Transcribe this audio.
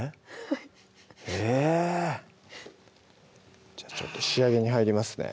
はいじゃちょっと仕上げに入りますね